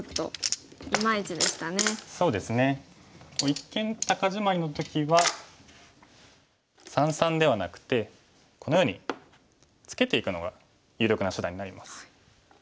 一間高ジマリの時は三々ではなくてこのようにツケていくのが有力な手段になります。